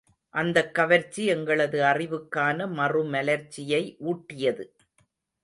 அந்தக் கவர்ச்சி எங்களது அறிவுக்கான மறுமலர்ச்சியை ஊட்டியது.